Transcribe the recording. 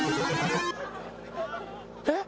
えっ？